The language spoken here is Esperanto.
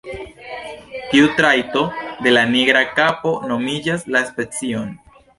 Tiu trajto de la nigra kapo nomigas la specion.